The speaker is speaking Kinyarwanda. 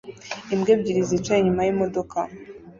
Imbwa ebyiri zicaye inyuma yimodoka